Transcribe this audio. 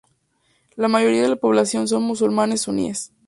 La mayoría de la población son musulmanes suníes.